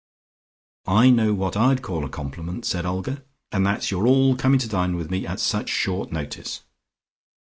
"I know what I call a compliment," said Olga, "and that's your all coming to dine with me at such short notice.